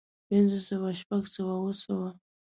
پنځۀ سوه شپږ سوه اووه سوه